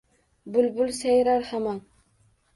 Bulbul sayrar hamon!